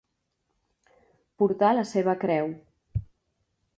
Portar la seva creu.